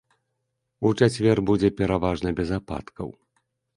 У чацвер будзе пераважна без ападкаў.